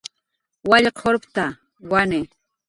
Wallqurpta, wani